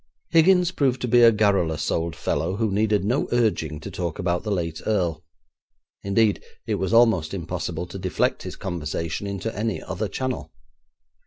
Higgins proved to be a garrulous old fellow, who needed no urging to talk about the late earl; indeed, it was almost impossible to deflect his conversation into any other channel.